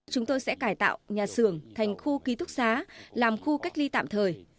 chúng tôi sẽ cải tạo nhà xưởng thành khu ký túc xá làm khu cách ly tạm thời